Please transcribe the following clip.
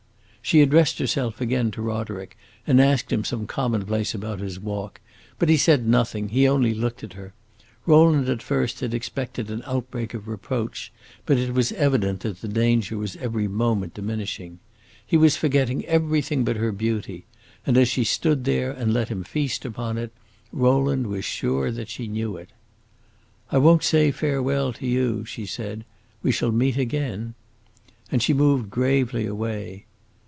She addressed herself again to Roderick and asked him some commonplace about his walk. But he said nothing; he only looked at her. Rowland at first had expected an outbreak of reproach, but it was evident that the danger was every moment diminishing. He was forgetting everything but her beauty, and as she stood there and let him feast upon it, Rowland was sure that she knew it. "I won't say farewell to you," she said; "we shall meet again!" And she moved gravely away.